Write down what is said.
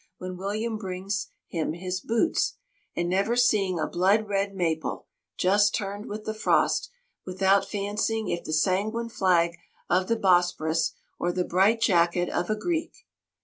when William brings him his boots—and never seeing a blood red maple (just turned with the frost), without fancying it the sanguine flag of the Bosphorus or the bright jacket of a Greek!